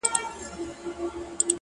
پام کوه غزل در نه بې خدايه نه سي-